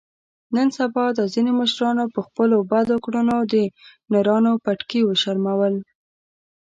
نن سبا دا ځنې مشرانو په خپلو بدو کړنو د نرانو پټکي و شرمول.